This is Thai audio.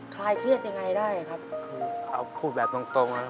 เพราะว่าเราก็นายทำงานด้วยค่ะ